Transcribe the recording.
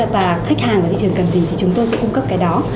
và khách hàng ở thị trường cần gì thì chúng tôi sẽ cung cấp cái đó